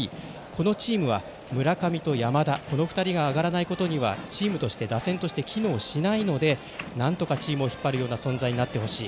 このチームは村上と山田この２人が上がらないことにはチームとして、打線として機能しないのでなんとかチームを引っ張るような存在になってほしい。